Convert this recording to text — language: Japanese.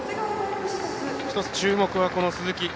一つ、注目は鈴木。